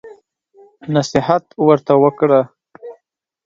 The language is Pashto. نصيحت ورته وکړه.